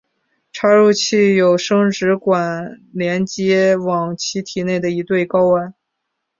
插入器有生殖管连接往其体内的一对睾丸。